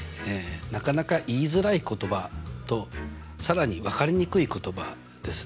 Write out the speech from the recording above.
なかなか言いづらい言葉と更に分かりにくい言葉ですね。